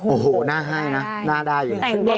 โอ้โฮน่าให้นะน่าได้เลย